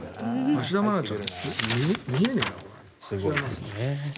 芦田愛菜ちゃんに見えないな。